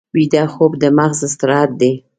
ویده خوب د مغز استراحت دی